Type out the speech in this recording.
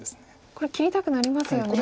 これ切りたくなりますよね。